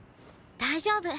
大丈夫。